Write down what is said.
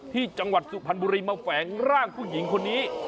ที่จังหวัดสุพรรณบุรีมาแฝงร่างผู้หญิงคนนี้